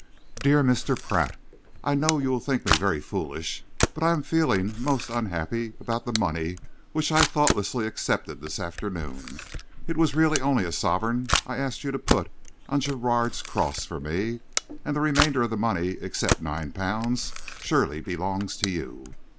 Dear Mr. Pratt, I know you will think me very foolish, but I am feeling most unhappy about the money which I thoughtlessly accepted this afternoon. It was really only a sovereign I asked you to put on Gerrard's Cross for me, and the remainder of the money, except nine pounds, surely belongs to you.